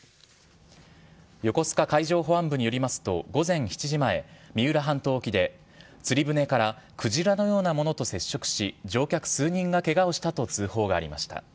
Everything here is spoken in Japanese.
横須賀海上保安部によりますと、午前７時前、三浦半島沖で、釣り船からクジラのようなものと接触し、乗客数人がけがをしたと通報がありました。